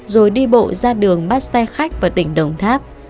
rồi đi bộ ra đường bắt xe khách vào tỉnh đồng tháp